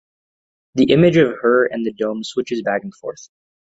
The image of her and the dome switches back and forth.